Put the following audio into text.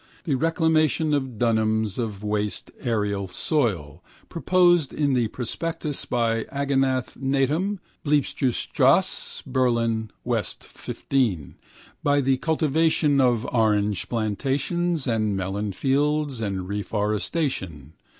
The reclamation of dunams of waste arenary soil, proposed in the prospectus of Agendath Netaim, Bleibtreustrasse, Berlin, W. 15, by the cultivation of orange plantations and melonfields and reafforestation.